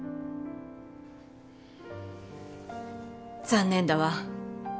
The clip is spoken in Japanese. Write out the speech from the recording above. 残念だわ。